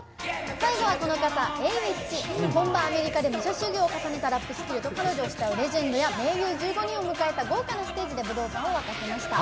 最後はこの方本場アメリカで武者修行を重ねたラップスキルと彼女を慕うレジェンドや盟友１５人を迎えた豪華なステージで武道館を沸かせました。